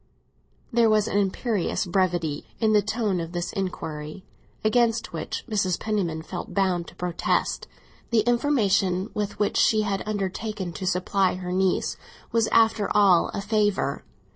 There was an imperious brevity in the tone of this inquiry, against which Mrs. Penniman felt bound to protest; the information with which she had undertaken to supply her niece was, after all, a favour.